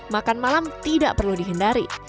makan malam tidak perlu dihindari